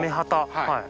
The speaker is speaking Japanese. はい。